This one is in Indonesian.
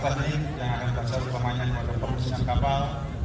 kepala krib masuci akan menempatkan latihan navigasi tentang kondisi kapal